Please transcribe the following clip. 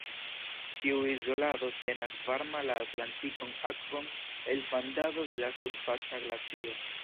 Tiu izolado tenas varma la Atlantikon Akvon el fandado de la surfaca glacio.